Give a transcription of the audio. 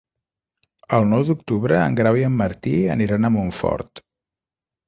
El nou d'octubre en Grau i en Martí aniran a Montfort.